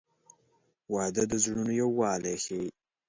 • واده د زړونو یووالی ښیي.